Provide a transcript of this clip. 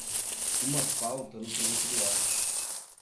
uma falta no silêncio do ar.